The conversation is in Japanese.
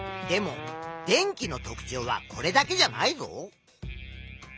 でも電気の特ちょうはこれだけじゃないぞ。